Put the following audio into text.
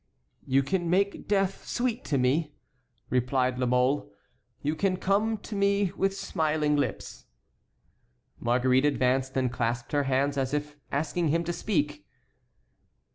"You can make death sweet to me," replied La Mole; "you can come to me with smiling lips." Marguerite advanced and clasped her hands as if asking him to speak.